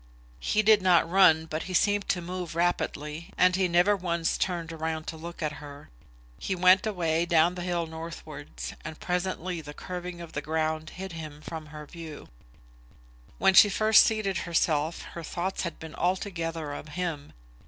He did not run, but he seemed to move rapidly, and he never once turned round to look at her. He went away, down the hill northwards, and presently the curving of the ground hid him from her view. When she first seated herself her thoughts had been altogether of him.